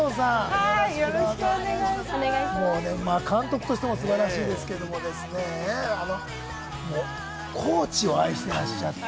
監督としても素晴らしいですけど、高知を愛していらっしゃって。